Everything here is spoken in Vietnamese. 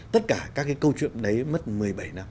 tất cả các cái câu chuyện đấy mất một mươi bảy năm